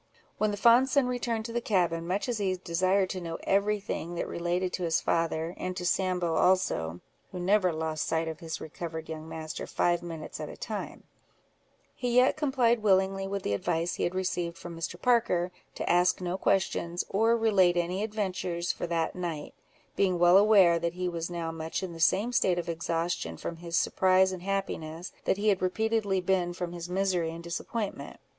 When the fond son returned to the cabin, much as he desired to know every thing that related to his father, and to Sambo also (who never lost sight of his recovered young master five minutes at a time), he yet complied willingly with the advice he had received from Mr. Parker, to ask no questions, or relate any adventures for that night, being well aware that he was now much in the same state of exhaustion from his surprise and happiness, that he had repeatedly been from his misery and disappointment.